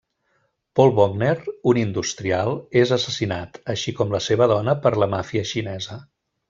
Paul Wagner, un industrial, és assassinat, així com la seva dona per la màfia xinesa.